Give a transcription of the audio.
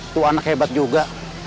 tuh anak hebat juga